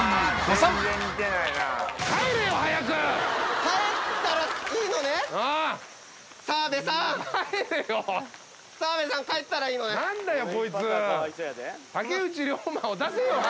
澤部さん帰ったらいいのね。